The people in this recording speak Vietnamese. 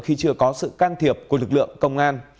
khi chưa có sự can thiệp của lực lượng công an